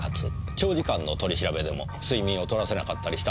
長時間の取り調べでも睡眠を取らせなかったりしたんですね？